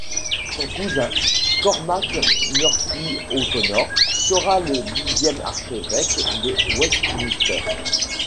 Son cousin, Cormac Murphy-O'Connor, sera le dixième archevêque de Westminster.